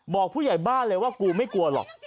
บอกผู้ใหญ่บ้านเลยว่ากูไม่กลัวหรอก